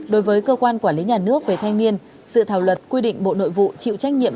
đối với cơ quan quản lý nhà nước về thanh niên sự thảo luật quy định bộ nội vụ chịu trách nhiệm